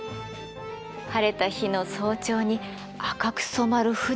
晴れた日の早朝に赤く染まる富士山。